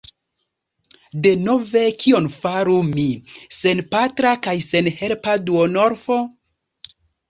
Denove kion faru mi, senpatra kaj senhelpa duonorfo?